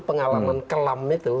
pengalaman kelam itu